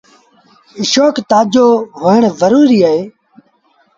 اشوڪ تآجو هوڻ زروريٚ اهي